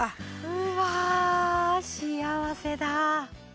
うわあ幸せだ。